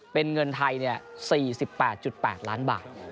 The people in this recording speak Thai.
เป็นเงินไทย๔๘๘ล้านบาท